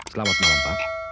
selamat malam pak